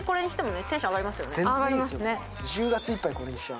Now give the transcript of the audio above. １０月いっぱい、これにしよう。